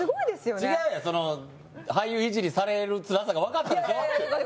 違うよ、俳優いじりされるつらさが分かったでしょ。